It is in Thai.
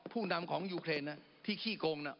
ผู้นำของยูเครนที่ขี้โกงน่ะ